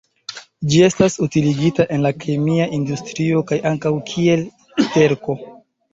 Ĝi estas utiligita en la kemia industrio kaj ankaŭ kiel sterko.